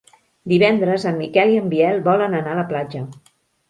Divendres en Miquel i en Biel volen anar a la platja.